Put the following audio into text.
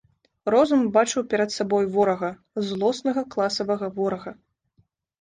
Розум бачыў перад сабой ворага, злоснага класавага ворага.